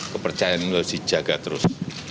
kepercayaan harus dijaga terus